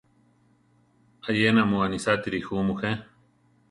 Ayena mu anisátiri ju mujé.